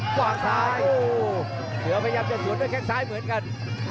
กว่างซ้ายเสริฟปยังจะจนด้วยแค่นซ้ายเหมือนกัน